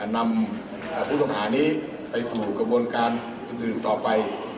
นำผู้ต้องหานี้ไปสู่กระบวนการอื่นต่อไป